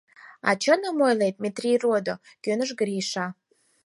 — А чыным ойлет, Метрий родо! — кӧныш Гриша.